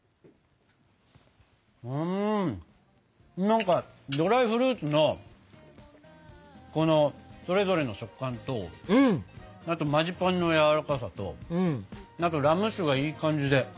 うんなんかドライフルーツのこのそれぞれの食感とマジパンのやわらかさとあとラム酒がいい感じで。